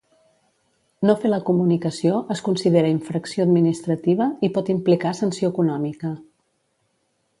No fer la comunicació es considera infracció administrativa i pot implicar sanció econòmica.